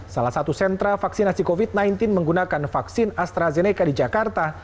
salah satu sentra vaksinasi covid sembilan belas menggunakan vaksin astrazeneca di jakarta